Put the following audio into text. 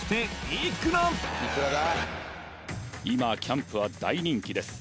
今キャンプは大人気です